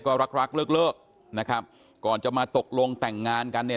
ก็รักรักเลิกนะครับก่อนจะมาตกลงแต่งงานกันเนี่ย